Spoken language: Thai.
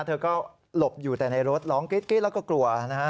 เธอก็หลบอยู่แต่ในรถร้องกรี๊ดแล้วก็กลัวนะฮะ